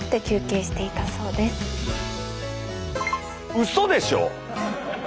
うそでしょ？